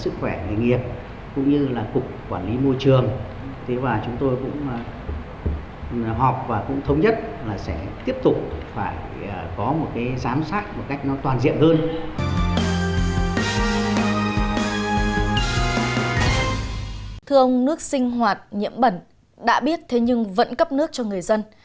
thưa ông nước sinh hoạt nhiễm bẩn đã biết thế nhưng vẫn cấp nước cho người dân